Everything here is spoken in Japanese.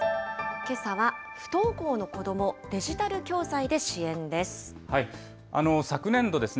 けさは不登校の子ども、デジタル教材で支援です。